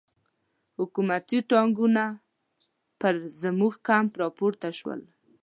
حکومتي ټانګونه پر زموږ کمپ را پورته شول.